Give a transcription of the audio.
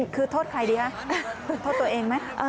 คือโทษใครดีคะโทษตัวเองไหม